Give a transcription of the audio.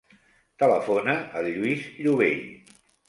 Telefona al Lluís Llobell.